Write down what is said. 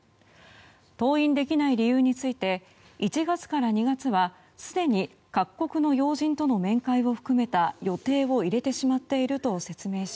登院できない理由について１月から２月はすでに各国の要人との面会を含めた予定を入れてしまっていると説明し